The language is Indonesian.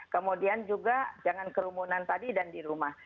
kemudian juga jangan kerumunan tadi dan di rumah